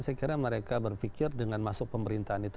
saya kira mereka berpikir dengan masuk pemerintahan itu